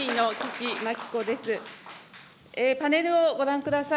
パネルをご覧ください。